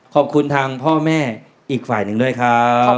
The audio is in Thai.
ขอบคุณทางพ่อแม่อีกฝ่ายหนึ่งด้วยครับ